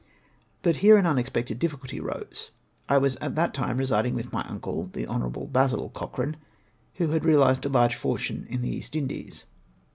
But here an unexpected difficulty arose. I was at that time residing with my uncle, the Hon. Basil Coch rane, who had realised a large fortune in the East Indies.